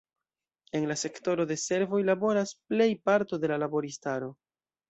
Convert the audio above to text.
En la sektoro de servoj laboras plej parto de la laboristaro.